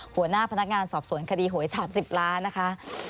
หัวหน้าพนักงานสอบสวนคดีหวย๓๐ล้านนะคะ